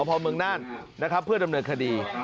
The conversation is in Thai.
สองพรบุหร์เมืองน่านเพื่อดำเนินคดี